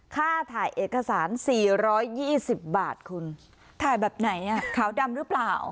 ค่าถ่ายเอกสาร๔๒๐บาทคุณถ่ายแบบไหนอ่ะขาวดำหรือเปล่า